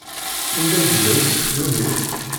Anda yella useklu-nni?